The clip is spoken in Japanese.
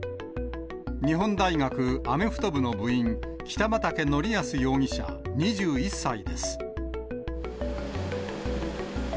日本大学アメフト部の部員、北畠成文容疑者２１歳です。